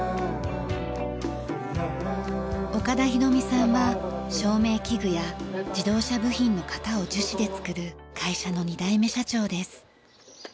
岡田博美さんは照明器具や自動車部品の型を樹脂で作る会社の２代目社長です。